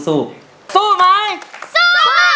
สู้มั้ยสู้